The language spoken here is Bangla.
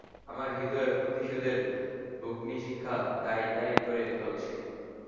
আমার হৃদয়ে প্রতিশোধের বহ্নিশিখা দাউ দাউ করে জ্বলছে।